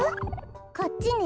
こっちね？